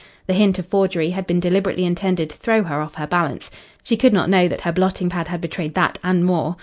The hint of forgery had been deliberately intended to throw her off her balance. She could not know that her blotting pad had betrayed that and more.